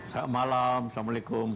selamat malam assalamualaikum